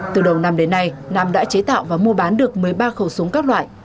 từ đầu năm đến nay nam đã chế tạo và mua bán được một mươi ba khẩu súng các loại